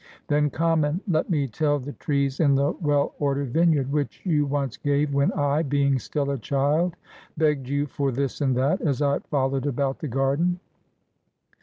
Then come, and let me tell the trees in the well ordered vineyard, which you once gave, when I, being still a child, begged you for this and that, as I followed about the garden.